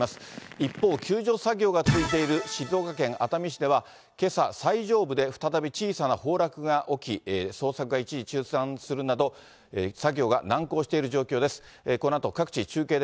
一方、救助作業が続いている静岡県熱海市では、けさ、最上部で再び小さな崩落が起き、捜索が一時中断するなど、こんにちは。